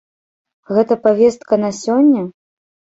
Гэта павестка на сёння?